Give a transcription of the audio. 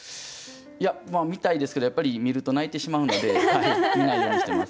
いや見たいですけどやっぱり見ると泣いてしまうので見ないようにしてます。